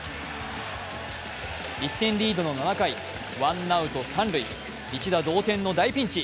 １点リードの７回、ワンアウト三塁、一打同点の大ピンチ。